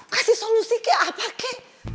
kasih solusi ke apa ke